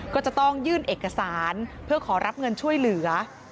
ก็จะต้องยื่นเอกสารเพื่อขอรับเงินช่วยเหลือ